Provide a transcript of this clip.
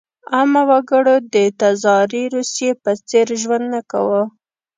عامه وګړو د تزاري روسیې په څېر ژوند نه کاوه.